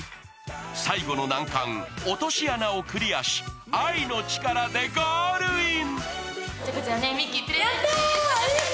最後の難関、落とし穴をクリアし愛の力でゴールイン。